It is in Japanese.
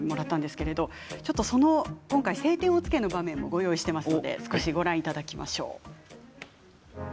今回「青天を衝け」の場面もご用意しています。